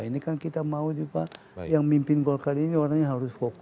ini kan kita mau juga yang mimpin golkar ini orangnya harus fokus